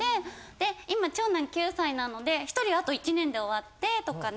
で今長男９歳なので１人あと１年で終わってとかで。